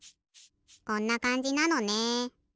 こんなかんじなのね。